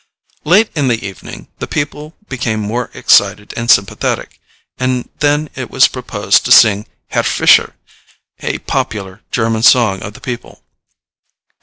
Late in the evening the people became more excited and sympathetic, and then it was proposed to sing "Herr Fisher," a popular German song of the people.